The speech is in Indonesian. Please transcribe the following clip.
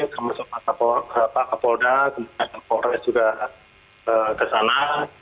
kemudian pak polda kemudian pak polres juga ke sana